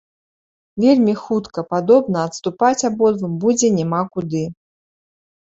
Вельмі хутка, падобна, адступаць абодвум будзе няма куды.